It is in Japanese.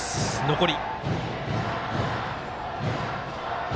残り。